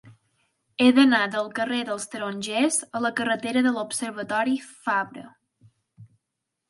He d'anar del carrer dels Tarongers a la carretera de l'Observatori Fabra.